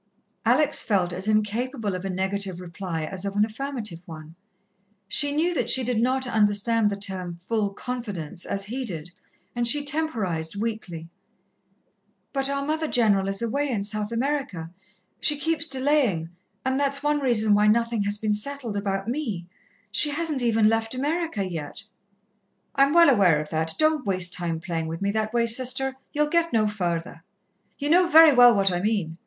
Alex felt as incapable of a negative reply as of an affirmative one. She knew that she did not understand the term "full confidence" as he did, and she temporized weakly. "But our Mother General is away in South America she keeps delaying, and that's one reason why nothing has been settled about me. She hasn't even left America yet." "I'm well aware of that. Don't waste time playing with me that way, Sister, ye'll get no further. Ye know very well what I mean.